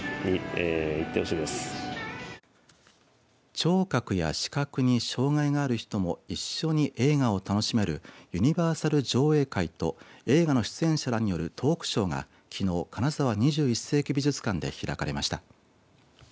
聴覚や視覚に障害がある人も一緒に映画を楽しめるユニバーサル上映会と映画の出演者らによるトークショーがきのう金沢２１世紀美術館で開かれました。